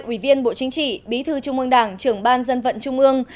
ủy viên bộ chính trị bí thư trung mương đảng trưởng ban dân vận trung mương